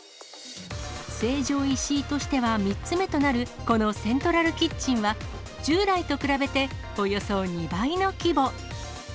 成城石井としては３つ目となるこのセントラルキッチンは、従来と比べておよそ２倍の規模。